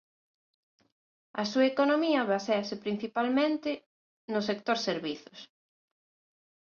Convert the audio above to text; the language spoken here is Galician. A súa economía baséase principalmente no sector servizos.